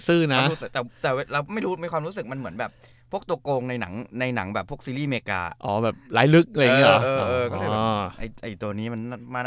คือรู้สึกว่าไอ้เด็กคนนี้หน้าตามัน